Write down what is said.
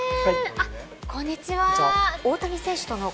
あっ、こんにちは。